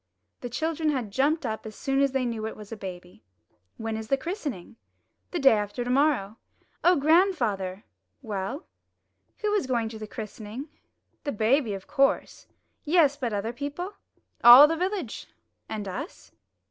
The children had jumped up as soon as they knew it was a baby. ''When is the christening?'' 'The day after to morrow.*' "O grandfather!" • "Well?" "Who is going to the christening?" "The baby, of course." "Yes; but other people?" "All the village." "And us?"